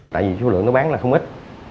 tại vì số lượng nó bán là không ít